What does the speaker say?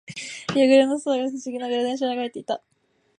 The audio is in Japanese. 夕暮れの空が不思議なグラデーションを描いていた。